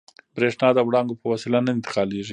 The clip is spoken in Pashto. برېښنا د وړانګو په وسیله نه انتقالېږي.